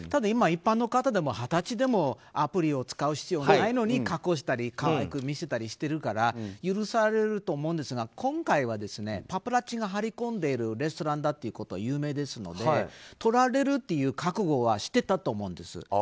今、一般の方でも二十歳でもアプリを使う必要がないのに加工したり可愛く見せたりしてるから許されると思うんですが今回はパパラッチが張り込んでいるレストランだということは有名ですので撮られるという覚悟はしていたと思うんです。